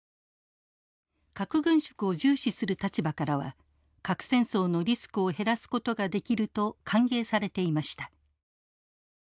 核軍縮を重視する立場からは核戦争のリスクを減らすことができると歓迎されていました。